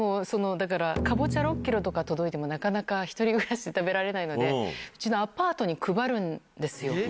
だからかぼちゃ６キロとか届いても、なかなか１人暮らしで食べられないので、うちのアパートに配るんですよ。